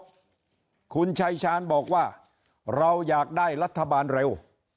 คุณชายชาญบอกว่าเราอยากได้รัฐบาลเร็ว